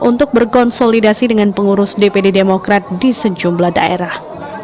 untuk berkonsolidasi dengan pengurus dpd demokrat di sejumlah daerah